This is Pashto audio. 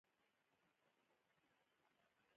یکاولنګ بند امیر لري؟